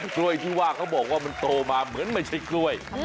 กล้วยที่ว่าเขาบอกว่ามันโตมาเหมือนไม่ใช่กล้วย